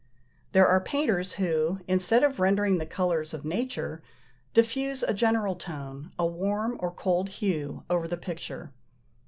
There are painters who, instead of rendering the colours of nature, diffuse a general tone, a warm or cold hue, over the picture.